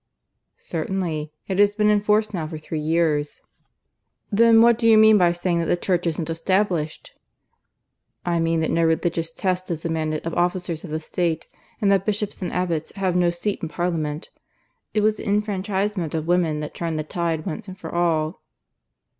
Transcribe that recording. "Certainly. It has been in force now for three years." "Then what do you mean by saying that the Church isn't established?" "I mean that no religious test is demanded of officers of state, and that bishops and abbots have no seat in Parliament. It was the enfranchisement of women that turned the tide once and for all."